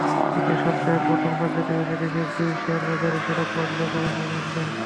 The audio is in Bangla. এদিকে সপ্তাহের প্রথম কার্যদিবসে দেশের দুই শেয়ারবাজারে সূচক বাড়লেও কমেছে লেনদেন।